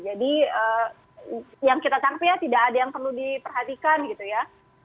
jadi yang kita tanggap ya tidak ada yang perlu diperhatikan gitu ya